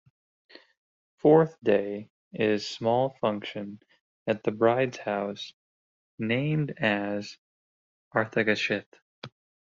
Fourth day is small function at the bride's house named as Aarthakshathe.